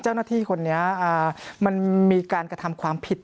เจ้าหน้าที่คนนี้มันมีการกระทำความผิด